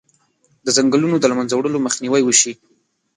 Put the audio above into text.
د ځنګلونو د له منځه وړلو مخنیوی وشي.